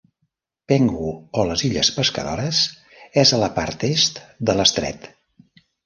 Penghu, o les illes Pescadores, és a la part est de l'estret.